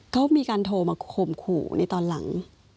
เขามีการโทรมาข่มขู่ในตอนหลัง